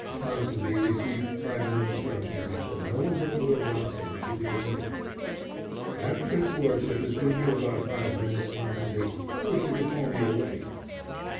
Ponsonby received private instructions that no one but Lord Wroxham should be admitted. "And after his lordship has been here about five minutes, Ponsonby, I wish you to call me away."